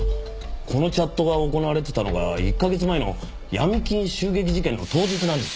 このチャットが行われてたのが１カ月前の闇金襲撃事件の当日なんですよ。